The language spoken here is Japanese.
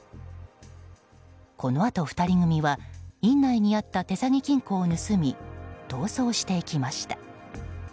このあと２人組は院内にあった手提げ金庫を盗み逃走していきました。